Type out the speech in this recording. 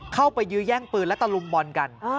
เข้าไปยื้อแย่งปืนและตะลุมบ่นกัน